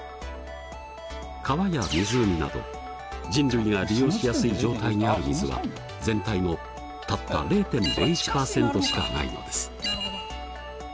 川や湖など人類が利用しやすい状態にある水は全体のたった０．０１％しかないのです。